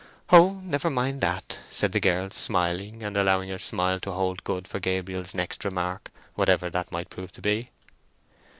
"Oh, never mind that," said the girl, smiling, and allowing her smile to hold good for Gabriel's next remark, whatever that might prove to be.